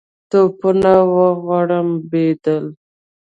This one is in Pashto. توپونه وغړمبېدل.